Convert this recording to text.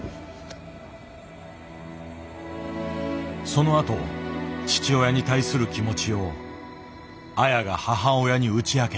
そのあと父親に対する気持ちをアヤが母親に打ち明けた。